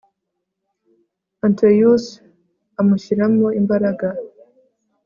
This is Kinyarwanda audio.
Antaeus amushyiramo imbaraga